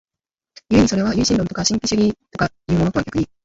故にそれは唯心論とか神秘主義とかいうものとは逆に、